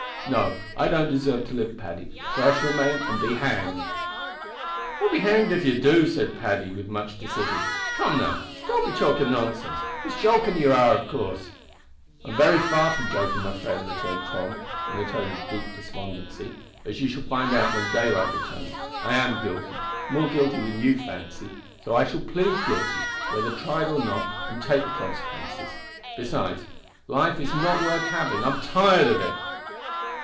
"No; I don't deserve to live, Paddy, so I shall remain and be hanged." "I'll be hanged if ye do," said Paddy, with much decision. "Come, now, don't be talkin' nonsense. It's jokin' ye are, av coorse." "I'm very far from joking, my friend," returned Tom, in a tone of deep despondency, "as you shall find when daylight returns. I am guilty more guilty than you fancy so I shall plead guilty, whether tried or not, and take the consequences. Besides, life is not worth having. I'm tired of it!"